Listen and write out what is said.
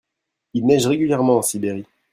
il neige régulièrement en Sibérie.